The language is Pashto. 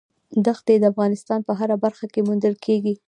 دښتې د افغانستان په هره برخه کې موندل کېږي.